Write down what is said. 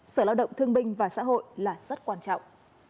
sở lao động thương binh và xã hội là rất quan trọng